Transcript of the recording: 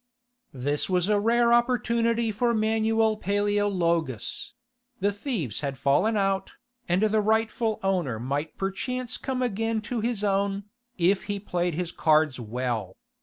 _) This was a rare opportunity for Manuel Paleologus: the thieves had fallen out, and the rightful owner might perchance come again to his own, if he played his cards well.